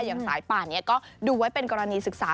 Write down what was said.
อย่างสายป่านนี้ก็ดูไว้เป็นกรณีศึกษา